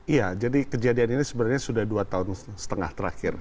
iya jadi kejadian ini sebenarnya sudah dua tahun setengah terakhir